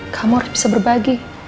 kamu harus bisa berbagi